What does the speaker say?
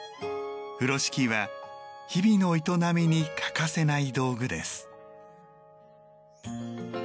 風呂敷は日々の営みに欠かせない道具です。